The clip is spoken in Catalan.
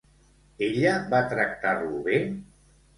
Ella va tractar-lo bé?